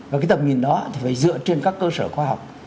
và cái tầm nhìn đó thì phải dựa trên các cơ sở khoa học